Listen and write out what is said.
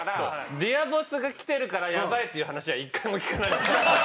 『Ｄｅａｒボス』がきてるからやばいっていう話は１回も聞かない。